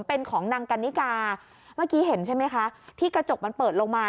เป็นของนางกันนิกาเมื่อกี้เห็นใช่ไหมคะที่กระจกมันเปิดลงมา